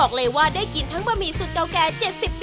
ขอบคุณครับ